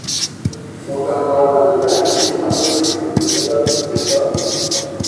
Muganga wanjye yangiriye inama yo kwirinda inzoga kugeza ubu.